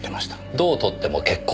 どう取っても結構。